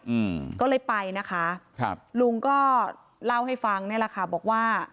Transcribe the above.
อืมก็เลยไปนะคะครับลุงก็เล่าให้ฟังนี่แหละค่ะบอกว่า